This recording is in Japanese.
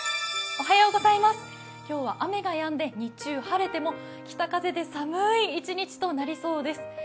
今日は雨がやんで日中晴れても北風で寒い一日となりそうです。